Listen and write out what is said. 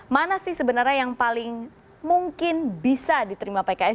mana sih sebenarnya yang paling mungkin bisa diterima pks